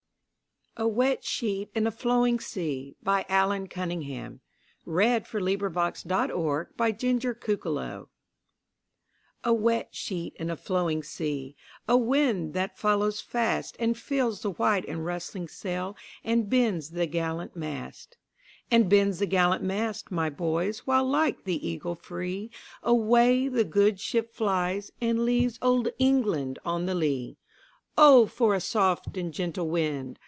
Golden Treasury. 1875. Allan Cunningham CCV. "A wet sheet and a flowing sea" A WET sheet and a flowing sea,A wind that follows fastAnd fills the white and rustling sailAnd bends the gallant mast; And bends the gallant mast, my boys, While like the eagle freeAway the good ship flies, and leavesOld England on the lee."O for a soft and gentle wind!"